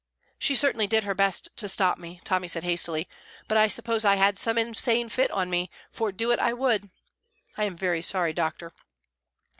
"She certainly did her best to stop me," Tommy said hastily; "but I suppose I had some insane fit on me, for do it I would. I am very sorry, doctor."